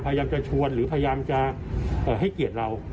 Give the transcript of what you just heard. พยายามจะชวนหรือพยายามจะให้เกียรติเรา